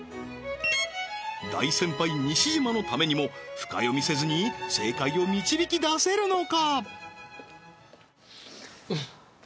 大先輩西島のためにも深読みせずに正解を導き出せるのか？